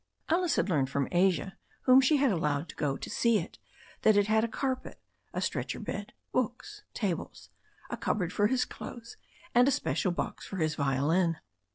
Alice had learned from Asia, whom she had allowed to go to see it, that he had a "carpet," a stretcher bed, books, tables, a cupboard for his clothes, and a special box for his violin.